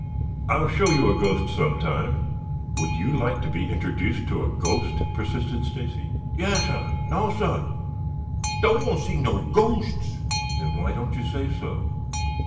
"I'll show you a ghost some time. Would you like to be introduced to a ghost?" persisted Stacy. "Yassir. Nassir. Doan' want see no ghosts." "Then why don't you say so?"